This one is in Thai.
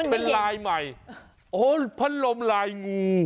เออเป็นลายใหม่อ๋อพัดลมลายงู